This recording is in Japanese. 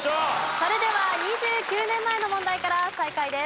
それでは２９年前の問題から再開です。